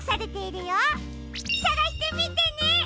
さがしてみてね！